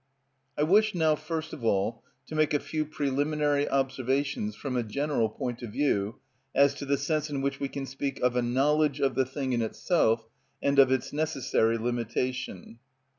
I wish now first of all to make a few preliminary observations from a general point of view as to the sense in which we can speak of a knowledge of the thing in itself and of its necessary limitation.